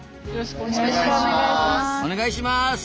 よろしくお願いします。